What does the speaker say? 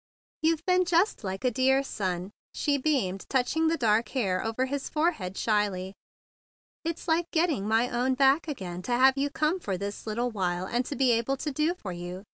"You've been just like a dear son," she beamed, touching the dark hair over his forehead shyly. "It's like get¬ ting my own back again to have you come for this little while, and to be able to do for you.